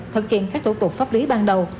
thực hiện các thủ tục pháp lý ban đầu